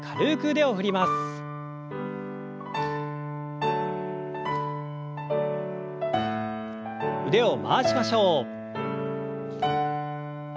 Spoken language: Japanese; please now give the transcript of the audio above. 腕を回しましょう。